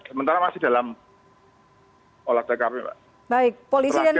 sementara masih dalam olah ckp